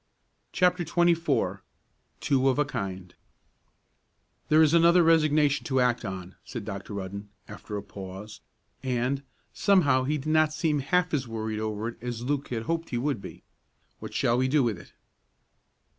CHAPTER XXIV TWO OF A KIND "There is another resignation to act on," said Dr. Rudden, after a pause, and, somehow he did not seem half as worried over it as Luke had hoped he would be. "What shall we do with it?"